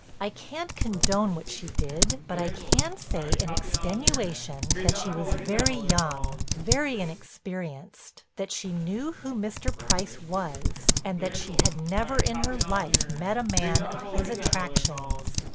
I can't condone what she did, but I can say in extenuation that she was very young, very inexperienced, that she knew who Mr. Price was, and that she had never in her life met a man of his attractions.